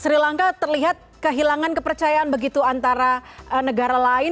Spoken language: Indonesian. sri lanka terlihat kehilangan kepercayaan begitu antara negara lain